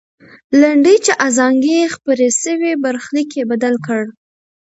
لنډۍ چې ازانګې یې خپرې سوې، برخلیک یې بدل کړ.